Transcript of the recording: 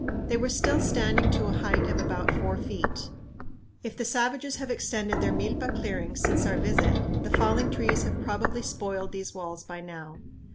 They were still standing to a height of about four feet. If the savages have extended their milpa clearings since our visit, the falling trees have probably spoiled these walls by now.